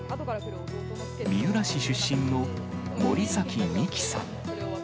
三浦市出身の森崎未来さん。